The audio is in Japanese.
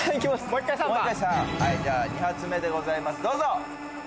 ２発目でございますどうぞ。